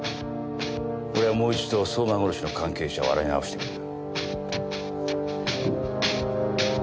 俺はもう一度相馬殺しの関係者を洗い直してみる。